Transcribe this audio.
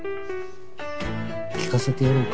聞かせてやろうか？